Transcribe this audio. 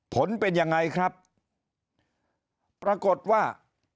ผลเป็นยังไงครับปรากฏว่า